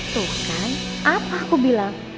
tuh kan apa aku bilang